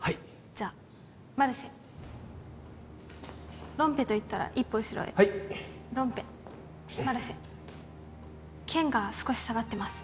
じゃマルシェ「ロンペ」と言ったら一歩後ろへはいロンペマルシェ剣が少し下がってます